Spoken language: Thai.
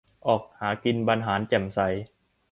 "ออกหากินบรรหารแจ่มใส"